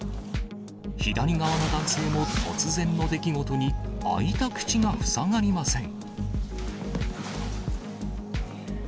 左側の男性も突然の出来事に、開いた口が塞がりません。